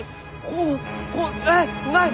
えっない！？